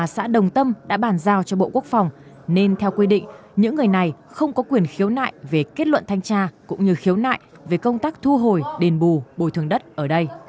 xã đồng tâm đã bàn giao cho bộ quốc phòng nên theo quy định những người này không có quyền khiếu nại về kết luận thanh tra cũng như khiếu nại về công tác thu hồi đền bù bồi thường đất ở đây